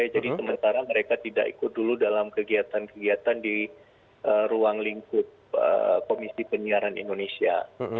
jadi sementara mereka tidak ikut dulu dalam kegiatan kegiatan di ruang lingkup komisi penyiaran indonesia